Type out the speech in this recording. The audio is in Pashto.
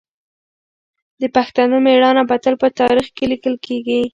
د پښتنو مېړانه به تل په تاریخ کې لیکل کېږي.